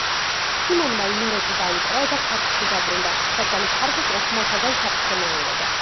სიმონმა იმერეთი დაიპყრო და ქართლში დაბრუნდა, რადგან ქართლს ოსმალთაგან საფრთხე მოელოდა.